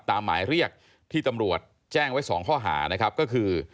หมายเรียกที่ตำรวจแจ้งไว้๒ข้อหานะครับก็คือ